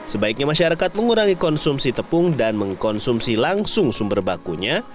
sebaiknya masyarakat mengurangi konsumsi tepung dan mengkonsumsi langsung sumber bakunya